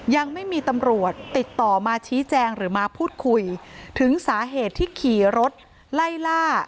ยังไม่มีตำรวจติดต่อมาชี้แจงหรือมาพูดคุยถึงสาเหตุที่ขี่รถไล่ล่า